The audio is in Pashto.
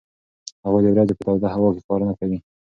هغوی د ورځې په توده هوا کې کار نه کوي.